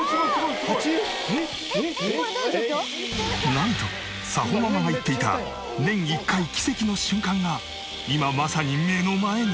なんと早穂ママが言っていた年１回奇跡の瞬間が今まさに目の前に！